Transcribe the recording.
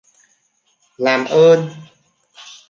làm ơn